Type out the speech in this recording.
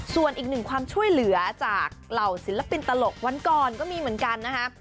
ส่วนอีกหนึ่งความช่วยเหลือจากเหล่าศิลปินตลกวันก่อนก็มีเหมือนกันนะคะ